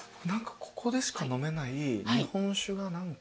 ここでしか飲めない日本酒が何か。